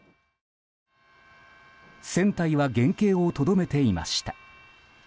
船体は原形をとどめていました。